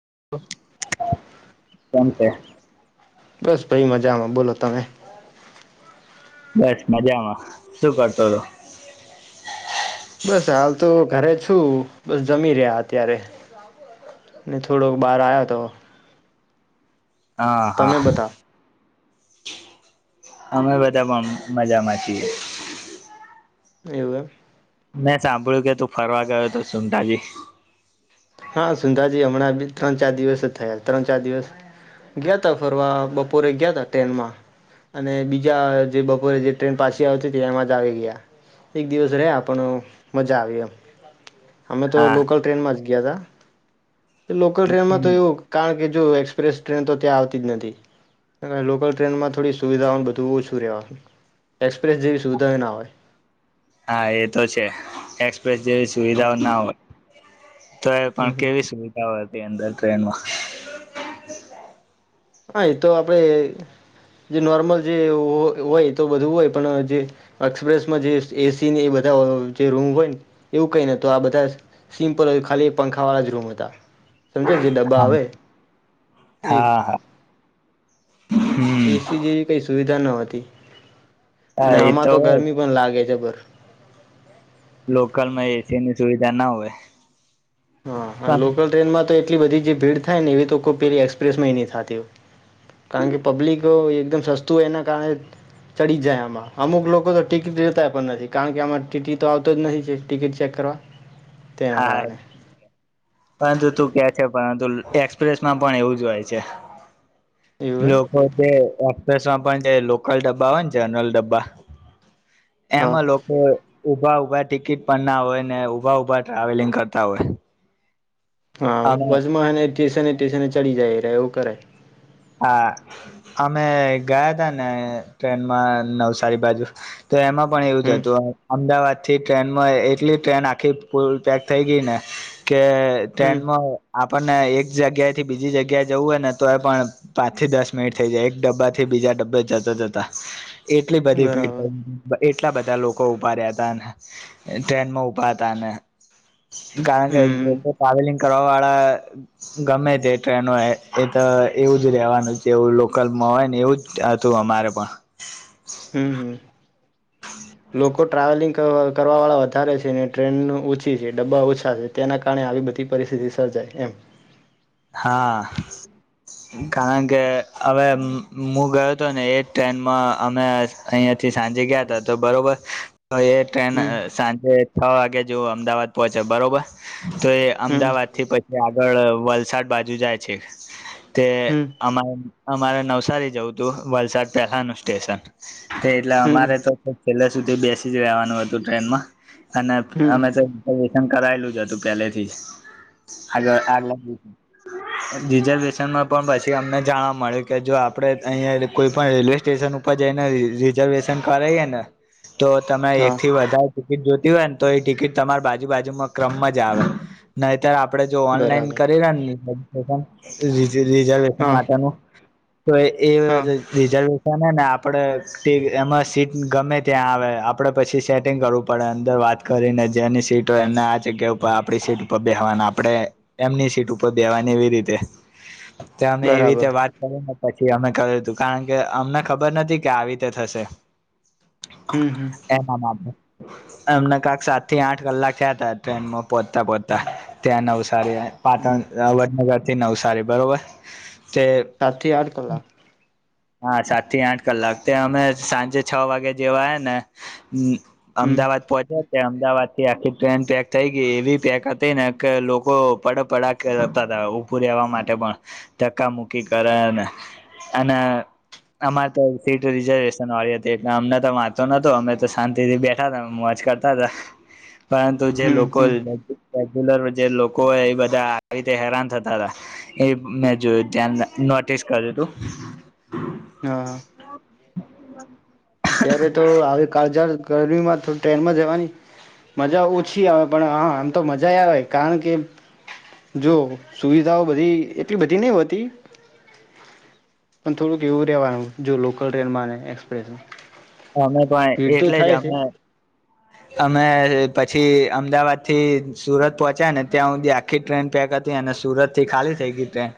[inaudible] Phone પે બસ ભાઈ મજામાં બોલો તમે બસ મજામાં શું કરતો હતો બસ હાલ તો ઘરે છું બસ જમી રહ્યા અત્યારે થોડોક બહાર આવ્યો તો હા હા બતા અમે બધા મજામાં છીએ એવુંગ મે સાંભળ્યું કે તું ફરવા ગયો તો સુમતાાજી હા સુુંંધાજી હમણાં બ ત્રણ ચાર દિવસ જ થયા ત્રણ ચાર દિવસ ગયા ત ફરવા બપોરે ગયા તા ટ્રેનમાં અને બીજા જે બપોરે જે ટ્રેન પાછી આવતી ત એમાં જ આવી ગયા એક દિવસ રહ્યા પણ મજા આવી એમ અમે તો હા લોકલ ટ્રેનમાં જ ગયા ગતા લોકલ ટ્રેનમાં તો એવું કારણ કે એક્સપ્રેસ ટ્રેન તો ત્યાં આવતી જ નથી અને લોકલ ટ્રેનમાં થોડી સુવિધાઓનું બધું ઓછું રહેવાનું એક્સપ્રેસ જેવી સુવિધા ના હોય એફ જેવી હા સુવિધાઓ ના હોય તો એ પણ હમ હમ કેવી સુવિધા હોય હતી અંદર ટ્રેનમાં હા એ તો આપણેે જે નોર્મલ જે હોય તો બધું હોય પણ જે એક્સપ્રેસમાં જે એસીને એ બધા જે રૂમ હોય ને એવું કઈ નને તો આ બધા સિમ્પલય ખાલી પંખા વાળા જ રૂમ હતા સમજ જે ડબ્બા આવે એ હા હા હમ્મ એસી જેવી કઈ સુવિધા જનવતી હા અને એ આમાં તો હોય ગરમી પણ લાગે છે બરોબર લોકલ માં એસી ની સુવિધા ના હોય હા અને પણ લોકલ ટ્રેનમાં તો એટલી બધી જે ભીડ થાય ને એવી તો કોઈ પેલી એક્સપ્રેસમાં નહીં થતી હોય કારણ કે પબ્લિક એકદમ સસ્તું હોય એના કારણે ચડી જ જાય આમાં અમુક લોકો તો ટિકિટ લેતા પણ નથી કારણ કે આમાં ટીટી તો આવતો જ નથી ટિકિટ ચેક કરવા તેના હા કારણે પરંતુ તું કે છે પરંતુ એક્સપ્રેસમાં પણ એવું જ હોય છે એવું એમ લોકો જે એક્સપ્રેસ માં પણ લોકલ ડબ્બા હોય ને જનરલ ડબ્બા હા એમાં લોકો ઊભા ટિકિટ પણ ના હોય ને ઊભા ઉભા ટ્રાવેલિંગ કરતા હોય હા અમે વજમાંને એ સ્ટેશને સ્ટેશને ચડી જાય એ રા એવું કરે હા અમે ગયા તા ને ટ્રેનમાં નવસારી બાજુ તો એમાં પણ એવું જ હમ હતું અમદાવાદ થી ટ્રેન માં એટલી ટ્રેન આખી ફૂલ પેક થઈ ગઈ ને કે હમ ટ્રેનમાં પણ એક જગ્યાએથી બીજી જગ્યાએ જવું હોય ને તો એ પણ પાંચ થી દસ મિનિટ થઈ જાય એક ડબ્બા થી બીજા ડબ્બે જતા જતા એટલી બધી ભીડ બરાબર કેટલા બધા લોકો ઉભા રહ્યા હતા ટ્રેન માં ઉભા હતા ને કારણ કે હમ લોકો ટ્રાવેલિંગ કર્રવાળા ગમે તે ટ્રેનો એ એ તો એવું જ રેવાનું જેવું લોકલમાં હોય ને એવું જ હતું અમારે પણ હમ હમ હમ કો ટ્રાવેલિંગ કરવા વાળા વધારે છે ને ટ્રેન ઓછી છે ડબ્બા ઓછા છે તેના કારણે આવી બધી પરિસ્થિતિ સર્જાય એમ. હા કારણ કે અવે મુ ગયો હતો ને એજ ટ્રેનમાં અમે અહિયાંયાથી સાંજે ગયા તા તો બરોબર તો એ ટ્રેન હમ સાંજે છ વાગે જેવો અમદાવાદ પહોચે બરોબર તો એ હમ અમદાવાદ થી પછી આગળ વલ સાડ બાજુ જાય છે. તે હમ અમાં એમ અમારે નવસારી જવું તું વલસાડ પહેલાનું સ્ટેશન એટલે હમ અમારે તો સુધી બેસી જ રહેવાનું હતું ટ્રેનમાં. અને હમ અમે તો રિઝર્વેશન કરાયેલું જ હતું પેલેથી આગળ આગ રિઝર્વેશનમાં પણ પછી અમને જાણવા મળ્યું કે જો આપડે અહીંયા કોઈ પણ રેલ્વે સ્ટેશન ઉપર જઈને રિઝર્વેશન કરેએ ને તો તમે એક હા થી વધારે ટિકિટ જો હોય ને તો એ ટિકિટ તમારી બાજુ બાજુમાં ક્રમ માં જ આવે ન ત્યારે આપડે જો ઓનલાઈન બરાબર કરીયે ની હા તો એ હા રિઝર્વેસન ને આપડે એમાં સીટ ગમે ત્યાં આવે આપડે પછી સેટિંગ કરવું પડે અંદર વાત કરીને જેની સીટ હોય એને આ જગ્યા ઉપર આપડી સીટ ઉપર બેહવાની આપડે એમની સીટ ઉપ દેવાની એવી રીતે ત અમે એવી બરાબર રીતે વાત કરીને પ થી અમે કર્યું હતું કારણ કે અમને ખબર નથી કે આવી રીતે થશે. હમ હમ [unintelligible] અમને કાંક સાતથી આઠ કલાક થયા તા ટ્રેન માં પોચ્તા પોચ્તા ત્યાં નવ સારીએ હમ પાટન વડનગરથી નવસારી બરોબર તે તાથીથી આઠ કલાક હા સાતથી આઠ કલાક ત્યા અમે સાંજે છ વાગે જેવા હે ને હમ હમ અમદાવાદ પહોંચ્યો અમદાવાદ થી આખી ટ્રેન પેક થઈ ગઈ એવી પેક હતી ને કે લોકો પડપડાકે રહતા હતા ઉભું રેવા માટે પણ ધક્કા મૂકી કરે અને અને અમારે તો સીટ રિઝર્વેશન વાળી હતી એટલે અમને તો વાંચો નતો અમે તો શાંતિથી બેઠા હતા મોજ કરતા હતા પરંતુ જે હમ હમ લોકલ [unintelligible] જે લોકો એ બધા આવી રીતે હેરાન થતા હતા એ મેં જોયું ધ્યાન નોટિસ કર્યું તું [inaudible] હા હા [inaudible] ત્યારે તો આવી કાળજાળ ગરમીમાં તો ટ્રેનમાં જવાની મજા ઓછી આવે પણ હા આમ તો મજા આવે કારણ કે જો સુવિધાઓ બધી એટલી બધી નહી હોતી પણ થોડુંક એવું રહેવાનું જો લોકલ ટ્રેનમાં અને એક્સપ્રેસમાં અમે પણ ભીડ તો એટલે જ થાય છે અમે અમે પછી અમદાવાદથી સુરત પહોચ્યા ને ત્યાં હું આખી ટ્રેન પેક હતી અને સુરતથી ખાલી થઇ ગઈ ટ્રેન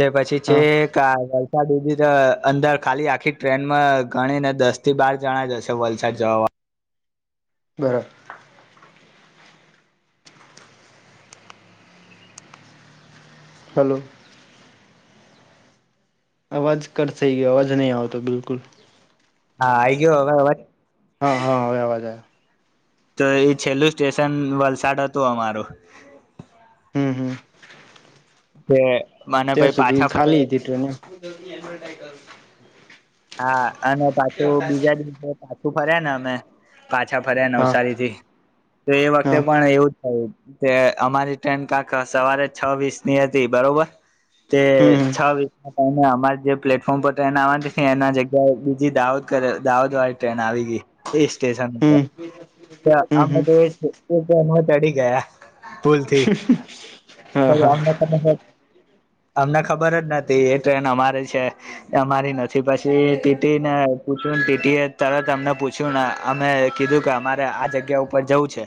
તે પછી હા છેક‌ આ વલસાડ સુધી અંદર ખાલી આખી ટ્રેનમાં ગણીને દસ થી બાર જણા જશે વલસાડ જવા બરાબર હલો અવાજ કટ થઇ ગયો અવાજ નહી આવતો બિલકુલ હા આઈ ગયો હવે અવાજ હા હા હવે અવાજ આવે તો એ છેલ્લું સ્ટેશન વલસાડ હતું અમારું હમ્મ હમ્મ તે અને ત્યાં પછી સુધી પાછા ફરે ખાલી હતી ટ્રેનને હાં અને પાછું બીજા આછું ફર્યા ને અમે પાછા ફર્યા હા નવસારી થી તો એ વખતે હા પણ એવું જ થયું. તે અમારી ટ્રેન કાક સવારે છ વીસ ની હતી બરોબર. તે હમ હમ છ વીસ ના ટાઇમે તમા જે પ્લેટફોર્મ પર હતા એને આ એના જગ્યાએ બીજી દાહોદ કર દાહોદ વાળી ટ્રેન આવી ગઈ. એ સ્ટેશન હમ પર. હમ હમ આમાં તો ચડી ગયા. ભુલથી હા હા અયાથી અમને ખબર જ નથી એ ટ્રેન અમારી છે અમારી નથી. થી પછી ટીટીને પૂછ્યું ને ટીટી એ તરત અમને પૂછ્યું ને અમે કીધું કે અમારે આ જગ્યા ઉપર જવું છે.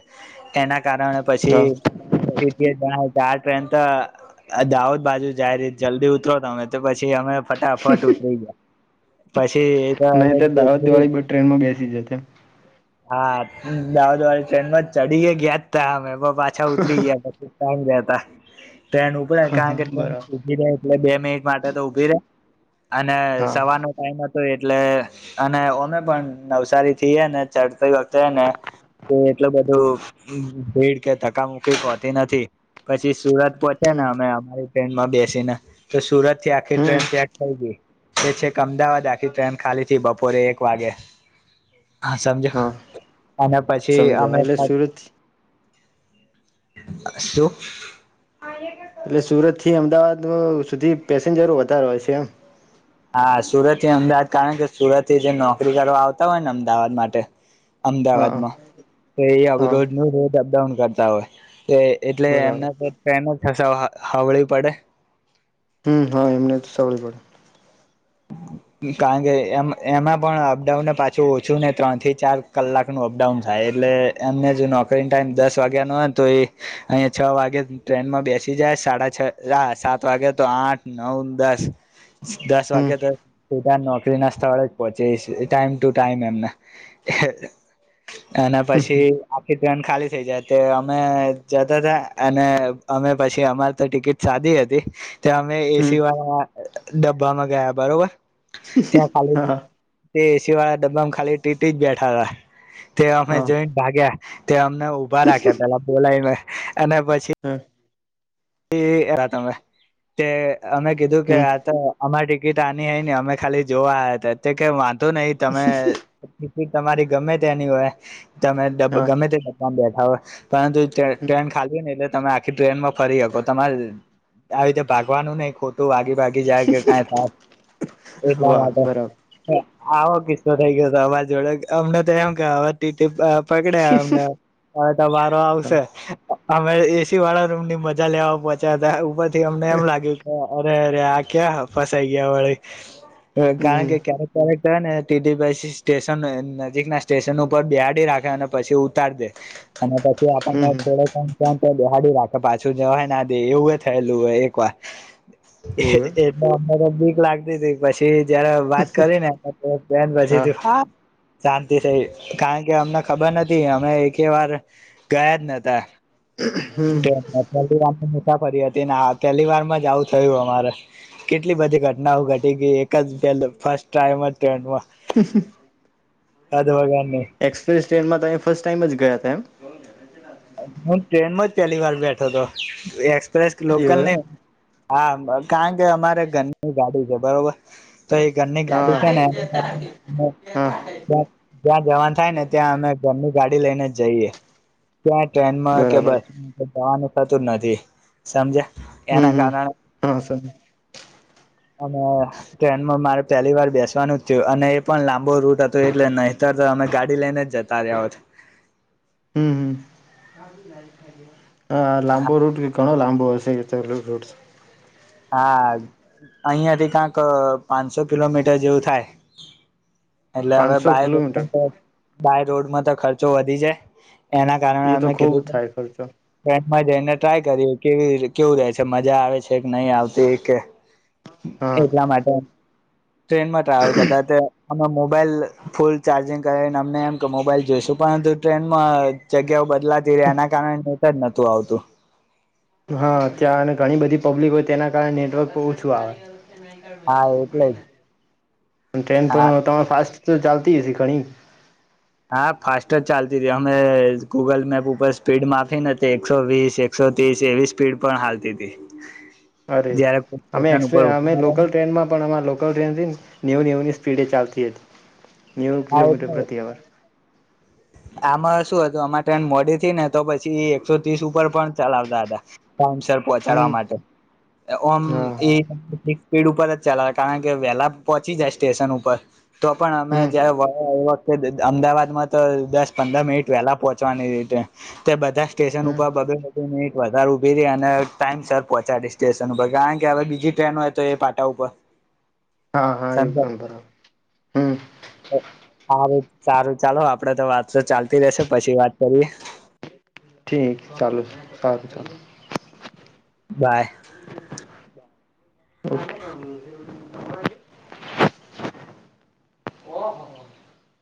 એના કારણે પછી હા ટીટી જણાવ્યું. આ ટ્રેન તો દાહોદ બાજુ જાય રી જલ્દી ઉતરો તને તો પછી અમે ફટાફટ ઉતરી ગયા. પછી એ નાહી તો દાવા હવે દિવાળી બ ટ્રેન માં બેસી જશે. હા દાઉ દરી ટ્રેનમાં ચડી ગ ગયા જ તા અમે. પાછા ઉતરી ગયા પછી ટામ ગયા ત. ટ્રેન ઉપડે હા હા કારણ કે ટ્રેન બરાબર ઉભી એટલે બે મિનિટમાં. તો ઉભી રે અને હા સવાર ન ટાઈમ હતો એ એટલે અને અમે પણ નવસારી થીએ ને ચડતી વખતે ને તે એટલું બધું ભીડ કે ધકા મુુકી પહતી નથી પછી સુરત પહોચે ને હમ અમે અમારી ટ્રેનમાં બેસીને તો સુરત આખી હમ ટ્રેન ત્યાગ થઈ ગઈ એ છે કે અમદાવાદ આખી ટ્રેન ખાલી થી બપોરે એક વાગે હા સમજો હા અને પછી અમે સમજાય એટલે સુરત [inaudible] એટલે સુરત થી અમદાવાદ સુધી પેસેન્જરો વધારે હોય છે એમ હા સુરત થી અમદાવાદ કારણ કે સુરત થી જે નોકરી કરવા આવતા હોય ને અમદાવાદ માટે હા અમદાવાદમાં તો એ હા રોજ ન રોજ અપડાઉન કર તાવ એટલે બરાબર એમના ટ્રેન હાવળી પડે હમ હા એમને તો સાવળ પડે કારણ કે એમ એમાં પણ અપડાઉનને પાછું ઓછું ને ત્રણ થી ચાર કલાક નું અપડાઉન થાય એટલે એમને જો નોકરી ટાઈમ દસ વાગ્યા નો હોય તો એ અહીં છ વાગે ટ્રેનમાં બેસી જાય સાડા છ રા સાત વાગે તો આઠ નવ દસ દસ હમ વાગ્યા તેનોકરી નાસ્તા હળ પચે ટાઈમ ટુ ટાઈમ એમના અનેના પછી આખી ટ્રેન ખાલી થઇ જાય તે અમે જતા હતાા અને અમે પછી અમારે તો ટિકિટ સાદીી હતી ત્યા અમે હમ એસી વાળા ડબ્બામાં ગબ બરોબર ત્યાં કાલે હા તે પી વાળા ડબ્બામાં ખાલી ટીટી જ બેઠા હતા તે અમે હા જોઈને ભાગ્યા ત્યામ ઉભા રાખ્યા પેલા બોલાય એના પછી હા એ રાતમ તે અમે કીધું કે હમ આ તો અમારી ટિકિટ આની હય અમે ખાલી જોવા તો કે તો નહી તમે તમારી ગમે તેની હોય તમેબ હા ગમે તે ડબ બે હવે પરંતુ ટ્રેન ખાલી તમે આખી ટ્રેનમાં ફરી તો તમારે આવી રીતે ભાગવાનું નને ખોટું વાગી બાકી જાય કે કઈ થાય એટલા વાહ બરાબર માટે આવો કિસ્સો થઈ ગયો હતો અ વાવાજ જોડે અમને તો એમ ગ પકડે એમને હવે તમારો હા આવશે આમ એસી વાળા રૂમ નિમ્ધ લ્યાવ પોંચાતાર અમને એમ લાગ્યું કે અરે અરે આ ક્યાં ફસાઈ ગયા વાળી કારણ હમ કે ક્યારેક ક્યારેક ને ટીટી. પછી સ્ટેશન નજીક ના સ્ટેશન ઉપર બેસાડી રાખે અને પછી ઉતારી દે અને પછી હમ આપણનેડે દિબેહાડી રાખે [inaudible] શું જવાય ના દે એવું થયેલું હોય એક વાર એવું એમ. [unintelligible] લાગતી હતી પછી જયારે વાત કરી ને બેન પછી થયું હા શાંતિ થઈ કારણ કે અમને ખબર નથી અમે એકે વાર ગયા જ નતા હમ મુસાાફરી હતી ને આ પહેલી વાર માં જ આવું થયું અમારે કેટલી બધી ઘટનાઓ ઘટી ગઈ એક જ પે ફસ્ટ ટાઈમ જ ટ્રેનમાં હમ હમ [unintelligible] એક્સપ્રેસ ટ્રેનમાં તમે ફર્સ્ટ ટાઈમ જ ગયા તેમ હું ટ્રેનમાં જ પહેલી વાર બેઠો હતો એક પ્રેસ લોકલ ને એવું એમ. હા બ કારણ કે અમારે ઘરની ગાડી બરોબર તો એ ઘરની હા ગાડી છે ને એના કારણે હા જ્યાં જવાન થાય ને ત્યાં અમે ઘરની ગાડી લઈને જ જઈએ ક્યાં ટ્રેન માં કે બરાબર બસમાં જવાનું થતું નથી સમજયા હમ હમ હા સર અને ટ્રેનમાં મારે પહેલી વાર બેસવાનું જ થયું અને એ પણ લાંબો રૂટ હતો એટલે નહીતર તો અમે ગાડી લઈને જ જતા રહ્યા. હમ હમ હા લાંબો રૂટ ઘણો લાંબો [unintelligible] હા અહિયાંથી કાંક પાંચસો કિલોમીટર જેવું થાય. એટલે હવે પાંચસો કિલોમીટર બાય રોડમાં તો ખર્ચો વધી જાય. એના કારણે એ તો અમે ખૂબ કીધું થાય ખર્ચો ટ્રેનમાં જઈને તો આય કર કે કેવું રહેે છે મજા આવે છે. નહી આવતી એક કે હા એટલા માટે. ટ્રેન માં ટ્રાવેલ કરતા તે અમે મોબાઈલ ફૂલ ચાર્જિંગ કરીને અમને એમ કે મોબાઈલ જોઈશું પરંતુ ટ્રેનમાં જગ્યાઓ બ એલા તીર એના ક- જ નતું આવતું. હા અ ત્યાં અને ઘણી બધી પબ્લિક હોય તેના કારણે નેટવર્ક ઓછું આવે. હા એટલે જ ટ્રેન હા પણ તમાર ફાસ્ટ તો ચાલતીસી ઘણી. હા ફાસ્ટ જ ચાલતી હતીી અમે ગૂગલ મેપ ઉપર સ્પીડ માફી નથી એકસો વીસ એકસો ત્રીસ એવી સ્પીડ પણ હાલતી હતી. અરે જયારે સ્ટેશન અમેક્સપ ઉપર અમે લોકલ હા ટ્રેનમાં પણ અમા લોકલ ટ્રેન થી નેવ નેવ ની સ્પીડ સ્પીડે ચાલતી હતી. નેવ કિલોમીટર એટલે પ્રતી આાવર આમાં શું હતું આમા ટ્રેન મોડી થી ને તો પછી એકસો ત્રીસ ઉપર પણ ચલાવતા હતા. ટાઈમસ પહોંચાડવા હમ માટે. ઓમ હા સ્પીડ ઉપર જ ચલાવે કારણ કે વહેલા પહોંચી જાય સ્ટેશન ઉપર. તો પણ અમે હમ જયારે વા આવ અમદાવાદમાં. તો દસ પંદર મિનિટ વહેલા પહોંચવાની રીતે તે બધા સ્ટેશન હમ ઉપર બબે મિનિટ વધારે ઉઊભી રહી અને ટાઈમ સર પહોંચાડી સ્ટેશન ઉપર કારણ કે હવે બીજી ટ્રેનો હોય તો એ પાટા ઉપર. હા હા એયું પણમ બરાબર હમ [unintelligible] સારું સારું ચાલો આપ. આપડે તો વાત તો ચાલતી રહેશે પછી વાત કરીએ. ઠીક ચાલું [unintelligible] સારું ચાલો. બાય [inaudible]